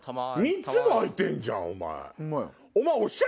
３つも開いてんじゃん！